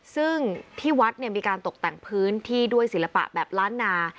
ซึ่งที่วัดมีการตกแต่งพื้นที่ด้วยศิลปะแบบล้านนา